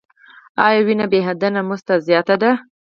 ایا وینې بهیدنه مو زیاته ده؟